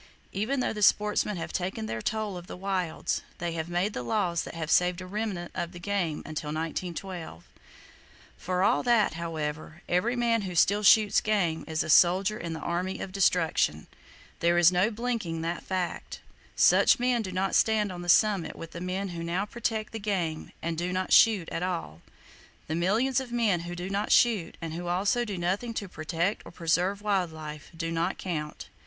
Even though the sportsmen have taken their toll of the wilds, they have made the laws that have saved a remnant of the game until 1912. For all that, however, every man who still shoots game is a soldier in the Army of Destruction! There is no blinking that fact. Such men do not stand on the summit with the men who now protect the game and do not shoot at all! The millions of men who do not shoot, and who also do nothing to protect or preserve wild life, do not count!